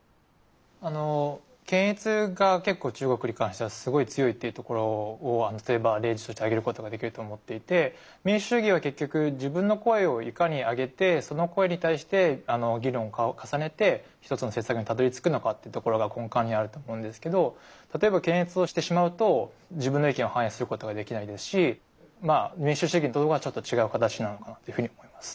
検閲が結構中国に関してはすごい強いっていうところを例えば例として挙げることができると思っていて民主主義は結局自分の声をいかに上げてその声に対して議論を重ねて一つの政策にたどりつくのかっていうところが根幹にあると思うんですけど例えば検閲をしてしまうと自分の意見を反映することができないですし民主主義とはちょっと違う形なのかなっていうふうに思います。